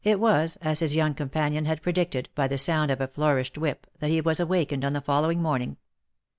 It was, as his young companion had predicted, by the sound of a flourished whip, that he was awakened on the following morning.